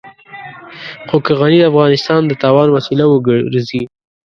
خو که غني د افغانستان د تاوان وسيله وګرځي.